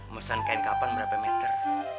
mesan kain kapan berapa meter